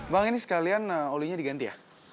bang ini sekalian olinya diganti ya